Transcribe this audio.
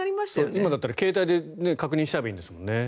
今だったら携帯で確認しちゃえばいいですもんね。